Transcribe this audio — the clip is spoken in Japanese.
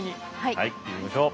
はい聞いてみましょう。